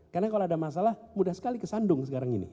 karena kalau ada masalah mudah sekali kesandung sekarang ini